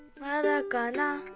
まだかな？